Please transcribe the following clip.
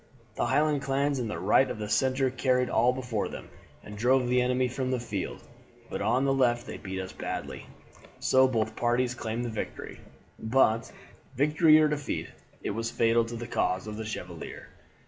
The Highland clans in the right and centre carried all before them, and drove the enemy from the field, but on the left they beat us badly. So both parties claimed the victory. But, victory or defeat, it was fatal to the cause of the Chevalier.